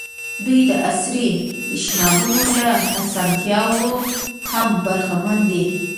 دوی د عصري تشنابونو له اسانتیاوو هم برخمن دي.